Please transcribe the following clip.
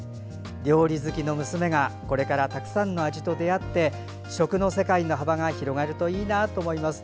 料理好きの娘がこれからたくさんの味と出会って食の世界の幅が広がるといいなと思います。